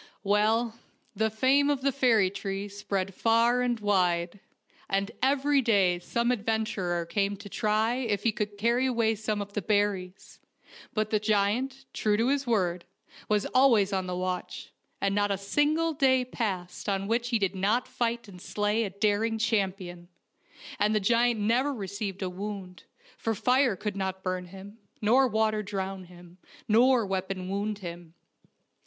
Well, the fame of the fairy tree spread far and wide, and every day some adventurer came to try if he could carry away some of the berries; but the giant, true to his word, was always on the watch, and not a single day passed on which he did not fight and slay a daring champion, and the giant never received a wound, for fire could not burn him, nor water drown him, nor weapon wound him.